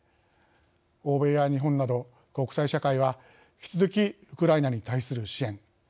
欧米や日本など国際社会は引き続きウクライナに対する支援